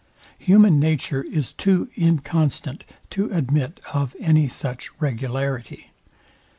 Human nature is too inconstant to admit of any such regularity.